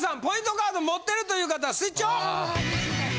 カード持ってるという方スイッチオン！